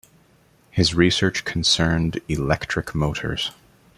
His research concerned electric motors.